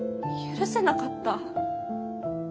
許せなかった。